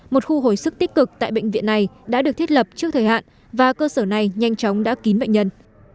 một khu hồi sức tích cực tại bệnh viện này đã được thiết lập trước thời hạn và cơ sở này nhanh chóng đã kín bệnh nhân